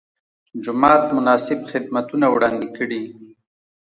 جومات مناسب خدمتونه وړاندې کړي.